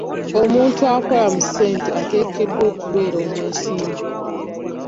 Omuntu akola mu ssente ateekeddwa okubeera omwesimbu.